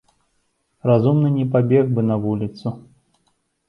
Разумны не пабег бы на вуліцу.